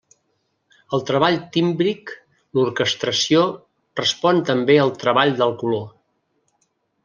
El treball tímbric, l'orquestració, respon també al treball del color.